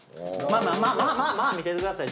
まあまあまあ見ててください。